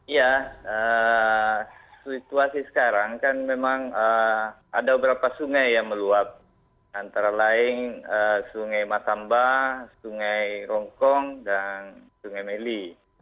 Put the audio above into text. ya situasi sekarang kan memang ada beberapa sungai yang meluap antara lain sungai masamba sungai rongkong dan sungai meli